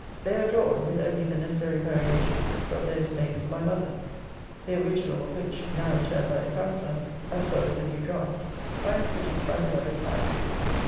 They are drawn, with only the necessary variations, from those made for my mother. The original of which (now returned by the counsellor) as well as the new draughts, I have put into my beloved's hands.